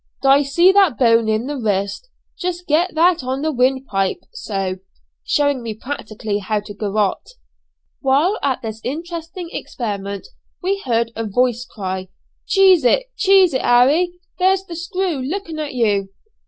"D'ye see that bone in the wrist? Just get that on the windpipe so," (shewing me practically how to garotte). While at this interesting experiment we heard a voice cry, "Cheese it, cheese it, Harry! there's the 'Screw' looking at you!"